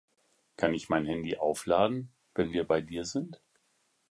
Kann ich mein Handy aufladen, wenn wir bei dir sind?